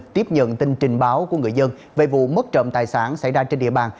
tiếp nhận tin trình báo của người dân về vụ mất trộm tài sản xảy ra trên địa bàn